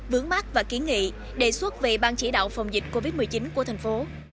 vướng mắt và kiến nghị đề xuất về bang chỉ đạo phòng dịch covid một mươi chín của thành phố